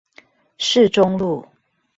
市中路